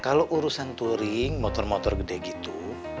kalau urusan touring motor motor gede gitu